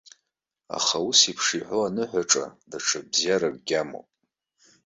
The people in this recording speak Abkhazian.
Аха усеиԥш иҳәоу аныҳәаҿа даҽа бзиаракгьы амоуп.